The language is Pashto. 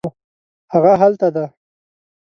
هغه هلته ده